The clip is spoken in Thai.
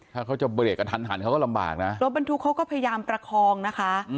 ถ้าเขาจะเบรกกระทันหันเขาก็ลำบากนะรถบรรทุกเขาก็พยายามประคองนะคะ